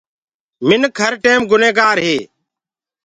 انسآن هر ٽيم گُني گآري